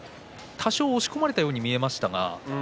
多少、押し込まれたように見えましたが。